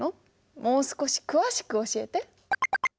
もう少し詳しく教えて！